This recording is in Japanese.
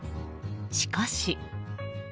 しかし。